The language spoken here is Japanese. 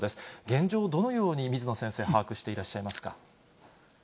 現状、どのように水野先生、把握していらっしゃいますか？